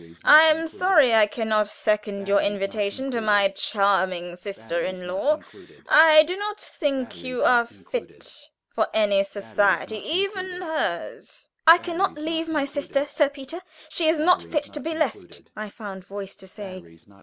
I am sorry I can not second your invitation to my charming sister in law. I do not think you fit for any society even hers." "I can not leave my sister, Sir Peter; she is not fit to be left," I found voice to say.